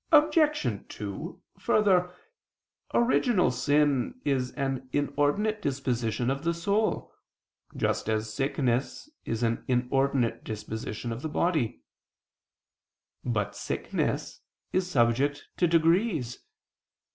Obj. 2: Further, original sin is an inordinate disposition of the soul, just as sickness is an inordinate disposition of the body. But sickness is subject to degrees.